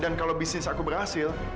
dan kalau bisnis aku berhasil